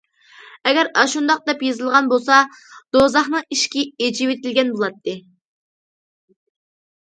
ئەگەر ئاشۇنداق دەپ يېزىلغان بولسا، دوزاخنىڭ ئىشىكى ئېچىۋېتىلگەن بولاتتى.